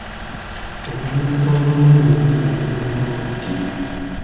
Okulonda kwa bonna mu Uganda kunaabaawo ddi?